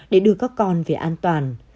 để đưa các con về an toàn